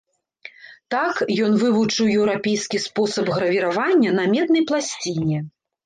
Так, ён вывучыў еўрапейскі спосаб гравіравання на меднай пласціне.